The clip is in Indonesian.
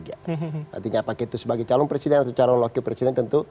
artinya apakah itu sebagai calon presiden atau calon wakil presiden tentu